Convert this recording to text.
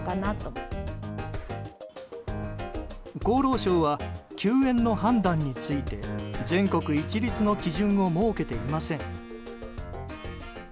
厚労省は休園の判断について全国一律の基準を設けていません。